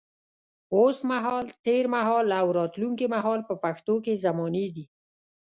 اوس مهال، تېر مهال او راتلونکي مهال په پښتو کې زمانې دي.